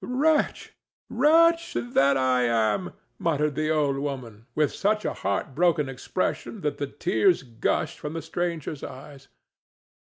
"Wretch, wretch that I am!" muttered the old woman, with such a heartbroken expression that the tears gushed from the stranger's eyes.